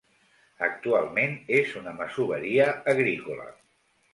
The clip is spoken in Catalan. Actualment és una masoveria agrícola.